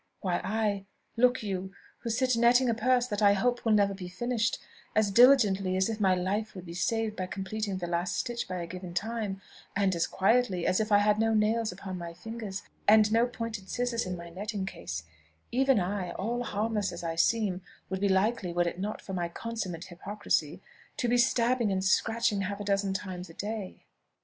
Why, I, look you, who sit netting a purse that I hope will never be finished, as diligently as if my life would be saved by completing the last stitch by a given time, and as quietly as if I had no nails upon my fingers, and no pointed scissors in my netting case, even I, all harmless as I seem, would be likely, were it not for my consummate hypocrisy, to be stabbing and scratching half a dozen times a day."